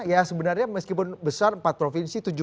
ya sebenarnya meskipun besar empat provinsi